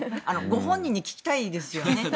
ご本人に聞きたいですよね。